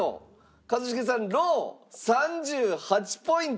一茂さんロー３８ポイント。